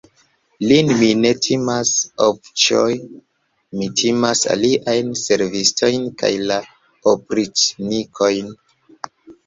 Lin mi ne timas, avĉjo, mi timas liajn servistojn kaj la opriĉnikojn.